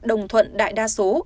đồng thuận đại đa số